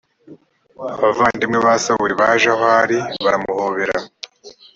abavandimwe ba sawuli baje aho ari baramuhobera